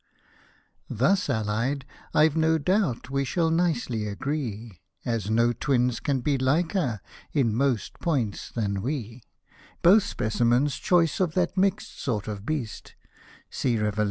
Thus aUied, I've no doubt we shall nicely agree, As no twins can be liker, in most points than we ; Both, specimens choice of that mixed sort of beast, (See Rev. xiii.